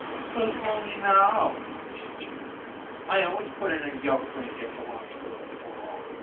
"Who's loony now?" she jeered. "I always put in a yoke when it gets along toward fall.